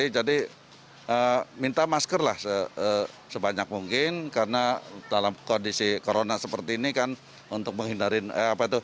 jadi minta masker lah sebanyak mungkin karena dalam kondisi corona seperti ini kan untuk menghindari apa itu